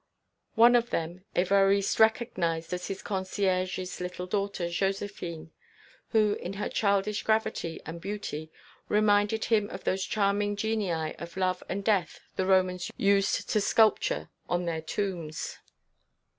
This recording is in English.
One of them Évariste recognized as his concierge's little daughter Joséphine, who in her childish gravity and beauty reminded him of those charming genii of Love and Death the Romans used to sculpture on their tombs.